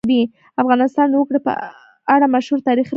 افغانستان د وګړي په اړه مشهور تاریخی روایتونه لري.